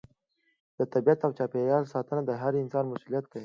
د طبیعت او چاپیریال ساتنه د هر انسان مسؤلیت دی.